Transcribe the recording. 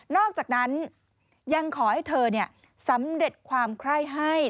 นอกจากนั้นยังขอให้เธอเนี่ยสำเร็จความคล่ายให้